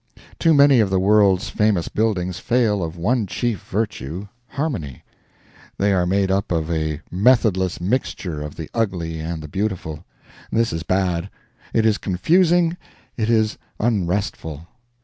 Too many of the world's famous buildings fail of one chief virtue harmony; they are made up of a methodless mixture of the ugly and the beautiful; this is bad; it is confusing, it is unrestful.